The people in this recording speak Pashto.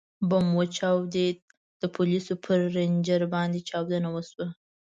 ـ بم وچاودېد، د پولیسو پر رینجر باندې چاودنه وشوه.